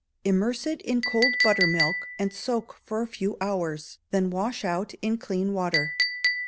Immerse it in cold buttermilk, and soak for a few hours, then wash out in clean water.